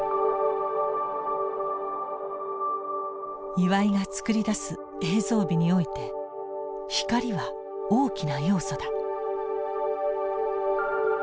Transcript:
岩井が作り出す映像美において「光」は大きな要素だ。